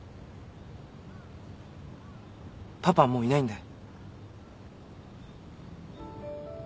パパはもういないんだよ。